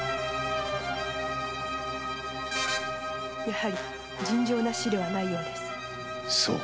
やはり尋常な死ではないようです。